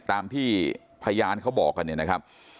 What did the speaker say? ตามที่พยานเขาบอกกันเนี่ยนะครับ